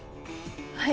はい。